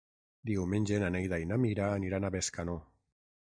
Diumenge na Neida i na Mira aniran a Bescanó.